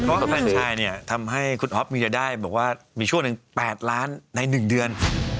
ออฟแฟนชายทำให้คุณออฟมีแต่ได้บอกว่ามีช่วงถึง๘ล้านใน๑เดือน